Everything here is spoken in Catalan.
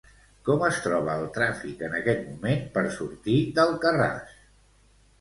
Com es troba el tràfic en aquest moment per sortir d'Alcarràs?